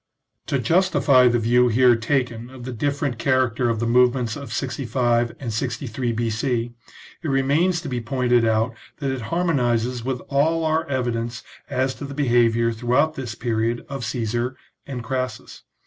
To justify the view here taken of the different char acter of the movements of 65 and 63 B.C. it remains to be pointed out that it harmonizes with all our evi dence as to the behaviour throughout this period of Caesar and Crassus.